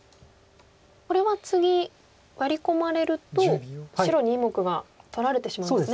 これは次ワリ込まれると白２目が取られてしまいますね。